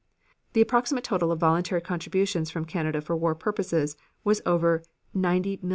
The approximate total of voluntary contributions from Canada for war purposes was over $90,000,000.